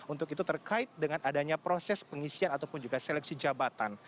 untuk itu terkait dengan adanya proses pengisian ataupun juga seleksi jabatan